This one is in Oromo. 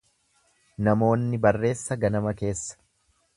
Namoonni barreessa ganama keessa.